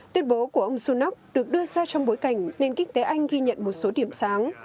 tuyên bố của ông sunak được đưa ra trong bối cảnh nền kinh tế anh ghi nhận một số điểm sáng